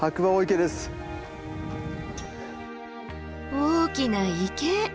大きな池！